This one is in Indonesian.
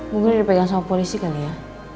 mungkin dipegang sama polisi kali ya